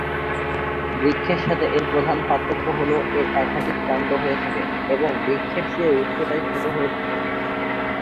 বৃক্ষের সাথে এর প্রধান পার্থক্য হল এর একাধিক কাণ্ড হয়ে থাকে এবং বৃক্ষের চেয়ে উচ্চতায় ছোট হয়ে থাকে।